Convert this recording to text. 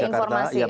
belum ada informasi